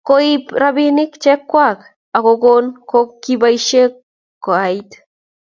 chuto ko che koib rabinik chechwak ak koan kokibaishe koait